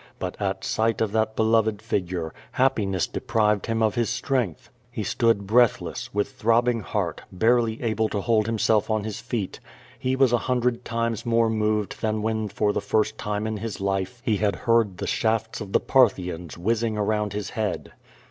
But at sight of that beloved figure, happiness deprived him of his strength. He stood breathless, with throbbing heart, barely able to hold himself on his feet. He was a hundred times more moved than when for the first time in his life he had heard the shafts of the Parthians whizzing around his head.